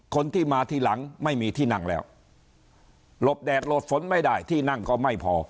คนที่มาทีหลังไม่มีที่นั่งแล้วหลบแดดหลบฝนไม่ได้ที่นั่งก็ไม่พอ